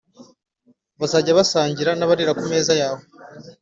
bazajye basangira n’abarira ku meza yawe